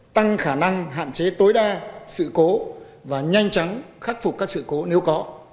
tăng khả năng hạn chế tối đa sự cố và nhanh chóng khắc phục các sự cố nếu có